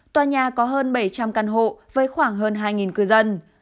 tòa nhà có hơn bảy trăm linh căn hộ với khoảng hơn hai cư dân